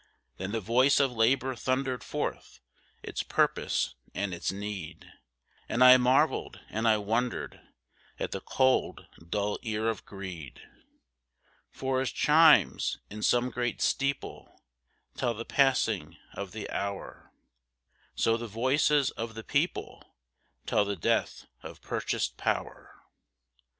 Then the voice of Labour thundered forth its purpose and its need, And I marvelled, and I wondered, at the cold dull ear of greed; For as chimes, in some great steeple, tell the passing of the hour, So the voices of the people tell the death of purchased power.